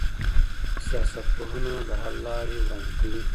سیاستپوهنه د حل لارې وړاندې کوي.